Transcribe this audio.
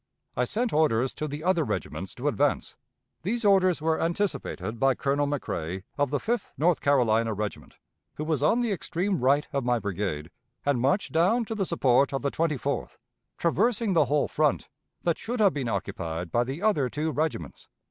... I sent orders to the other regiments to advance; these orders were anticipated by Colonel McRae of the Fifth North Carolina Regiment, who was on the extreme right of my brigade, and marched down to the support of the Twenty fourth, traversing the whole front that should have been occupied by the other two regiments."